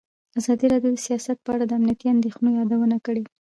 ازادي راډیو د سیاست په اړه د امنیتي اندېښنو یادونه کړې.